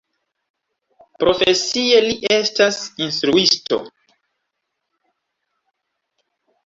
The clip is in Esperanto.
Profesie, li estas instruisto.